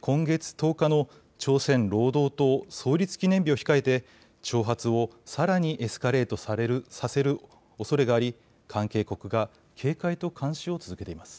今月１０日の朝鮮労働党創立記念日を控えて挑発をさらにエスカレートさせるおそれがあり関係国が警戒と監視を続けています。